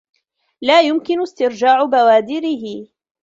لَا يُمْكِنُ اسْتِرْجَاعُ بَوَادِرِهِ